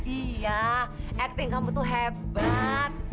iya acting kamu tuh hebat